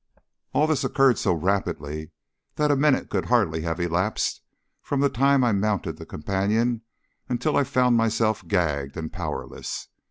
All this occurred so rapidly that a minute could hardly have elapsed from the time I mounted the companion until I found myself gagged and powerless.